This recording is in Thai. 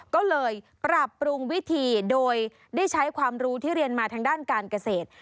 ก็เลยปรับปรุงวิธีโดยได้ใช้ความรู้ที่เรียนมาทางด้านการเกษตร